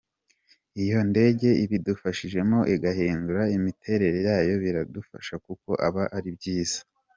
Iyo indege ibidufashijemo igahindura imiterere yayo biradufasha kuko aba ari byiza.’’